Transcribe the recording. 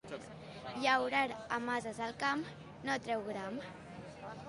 Llaurar amb ases el camp no treu agram.